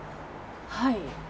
はい。